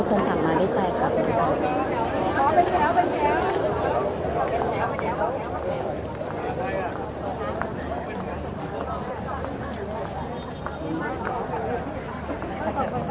ทุกคนต่างก็มีใจกลับมาชาวนี้ค่ะ